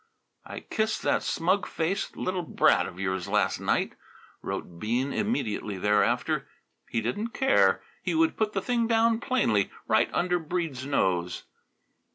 "I kissed that smug faced little brat of yours last night," wrote Bean immediately thereafter. He didn't care. He would put the thing down plainly, right under Breede's nose.